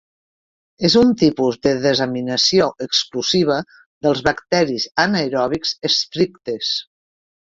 És un tipus de desaminació exclusiva dels bacteris anaeròbics estrictes.